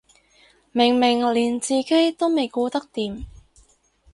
明明連自己都未顧得掂